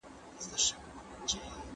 د خطر ساحه باید وپېژنئ.